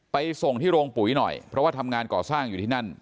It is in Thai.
ไปส่งที่โรงปุ๋ยหน่อยเพราะว่าทำงานก่อสร้างอยู่ที่นั่น